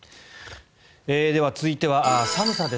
では、続いては寒さです。